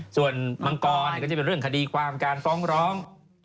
ส่วนมังกรก็จะเป็นเรื่องคดีความการฟ้องร้อง